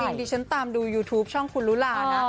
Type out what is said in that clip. จริงดิฉันตามดูยูทูปช่องคุณลุลานะ